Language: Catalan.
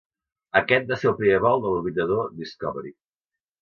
Aquest va ser el primer vol de l'orbitador "Discovery".